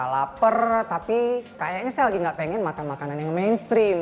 lapar tapi kayaknya saya lagi gak pengen makan makanan yang mainstream